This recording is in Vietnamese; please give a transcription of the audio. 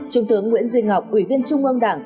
trung tướng nguyễn duy ngọc ủy viên trung ương đảng